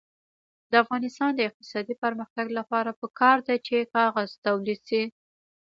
د افغانستان د اقتصادي پرمختګ لپاره پکار ده چې کاغذ تولید شي.